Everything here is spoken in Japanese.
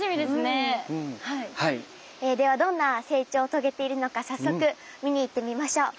ではどんな成長を遂げているのか早速見に行ってみましょう！